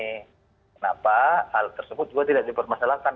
kenapa hal tersebut juga tidak dipermasalahkan